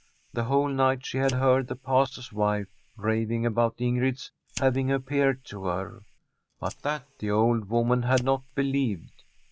The whole night she had heard the Pastor's wife raving about Ingrid's having appeared to her ; but that the old woman had not believed.